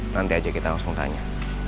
nanti aja kita langsung tanya